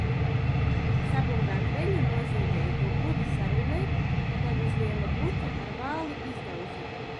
Sabungāt veļu nozīmēja to gludi sarullēt un tad uz liela bluķa ar vāli izdauzīt.